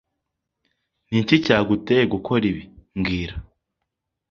Ni iki cyaguteye gukora ibi mbwira